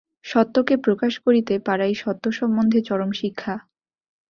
সত্যকে প্রকাশ করিতে পারাই সত্য সম্বন্ধে চরম শিক্ষা।